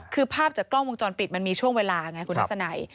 คือภาพจากกล้องวงจรปิดมันมีช่วงเวลาไงคุณทัศนัย